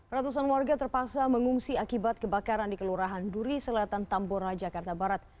ratusan warga terpaksa mengungsi akibat kebakaran di kelurahan duri selatan tambora jakarta barat